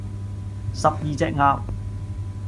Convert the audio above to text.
十二隻鴨